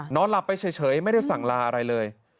หลับไปเฉยไม่ได้สั่งลาอะไรเลย